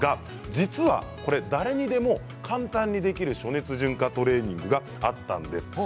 実は誰にでも簡単にできる暑熱順化トレーニングがあったんです。